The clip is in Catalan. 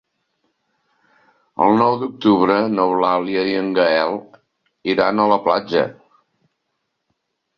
El nou d'octubre n'Eulàlia i en Gaël iran a la platja.